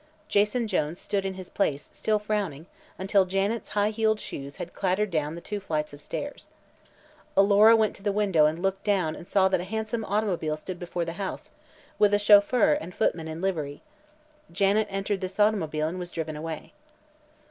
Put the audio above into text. Jason Jones stood in his place, still frowning, until Janet's high heeled shoes had clattered down the two flights of stairs. Alora went to the window and looking down saw that a handsome automobile stood before the house, with a chauffeur and footman in livery. Janet entered this automobile and was driven away.